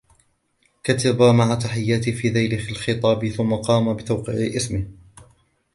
كتب " مع تحياتي " في ذيل الخطاب ثم قام بتوقيع اسمه.